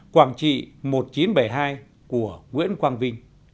quảng trị một nghìn chín trăm bảy mươi hai của nguyễn quang vinh